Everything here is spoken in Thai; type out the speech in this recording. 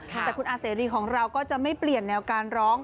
แต่คุณอาเสรีของเราก็จะไม่เปลี่ยนแนวการร้อง